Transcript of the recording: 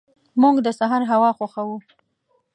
موږ د سهار هوا خوښو.